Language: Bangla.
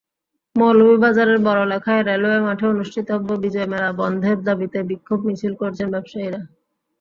মৌলভীবাজারের বড়লেখায় রেলওয়ে মাঠে অনুষ্ঠিতব্য বিজয় মেলা বন্ধের দাবিতে বিক্ষোভ মিছিল করেছেন ব্যবসায়ীরা।